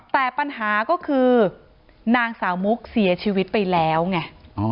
แต่ปัญหาก็คือนางสาวมุกเสียชีวิตไปแล้วไง